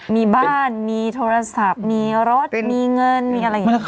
มีบ้านมีโทรศัพท์มีรถมีเงินมีอะไรอย่างนี้ค่ะ